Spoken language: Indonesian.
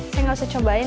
saya nggak usah cobain